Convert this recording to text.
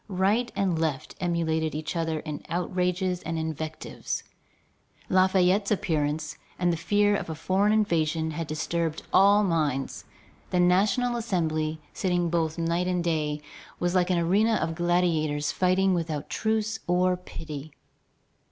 Right and left emulated each other in outrages and invectives. Lafayette's appearance and the fear of a foreign invasion had disturbed all minds. The National Assembly, sitting both day and night, was like an arena of gladiators fighting without truce or pity.